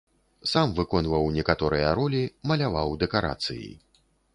Сам выконваў некаторыя ролі, маляваў дэкарацыі.